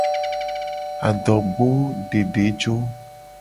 Adogbodedejo.